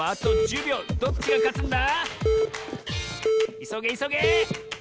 いそげいそげ！